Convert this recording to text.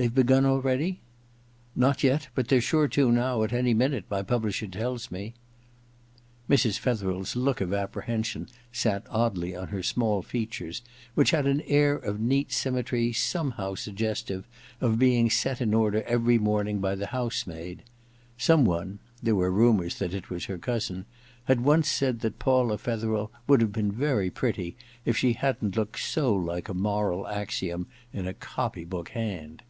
* They've begun already ?'* Not yet ; but they're sure to now, at any minute, my publisher tells me.' 79 8o EXPIATION I Mrs. Fetherd's look of apprehension sat oddly on her small features, which had an air of neat symmetry somehow suggestive of being set in order every morning by the housemaid. Some one (there were rumours that it was her cousin) had once said that Paula Fetherel would have been very pretty if she hadn't looked so like a moral axiom in a copy book hand.